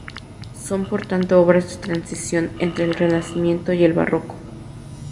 Son por tanto obras de transición entre el Renacimiento y el Barroco.